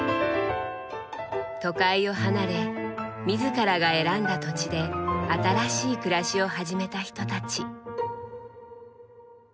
都会を離れ自らが選んだ土地で新しい暮らしを始めた人たち。